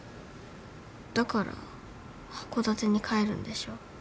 だから函館に帰るんでしょ？